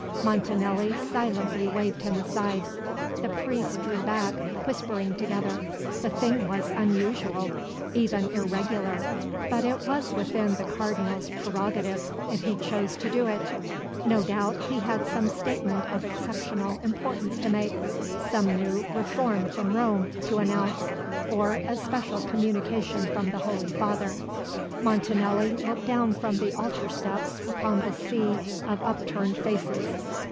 Montanelli silently waved him aside. The priests drew back, whispering together; the thing was unusual, even irregular; but it was within the Cardinal's prerogative if he chose to do it. No doubt, he had some statement of exceptional importance to make; some new reform from Rome to announce or a special communication from the Holy Father. Montanelli looked down from the altar steps upon the sea of upturned faces.